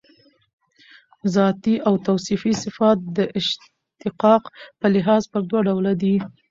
ذاتي او توصیفي صفات د اشتقاق په لحاظ پر دوه ډوله دي.